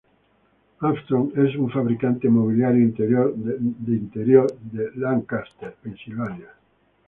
Armstrong es un fabricante mobiliario interior de Lancaster, Pensilvania.